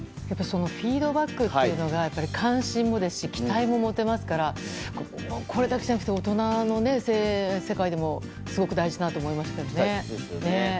フィードバックというのが関心も期待も持てますからこれだけじゃなくて大人の世界でもすごく大事だなと大切ですよね。